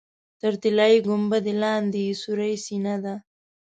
تر طلایي ګنبدې لاندې یې سورۍ سینه ده.